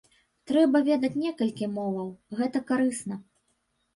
Трэба ведаць некалькі моваў, гэта карысна.